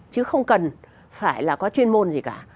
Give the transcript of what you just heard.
chứ không cần phải là có chuyên môn gì cả